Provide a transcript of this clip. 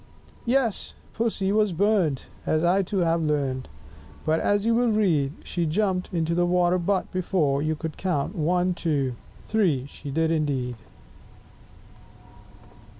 6 Yes, Pussy was burnt, As I too have learnt; But, as you will read, She jumped into the water butt before you could count, ONE, TWO, THREE; she did, indeed!